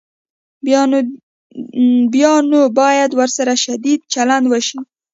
بیا نو باید ورسره شدید چلند وشي.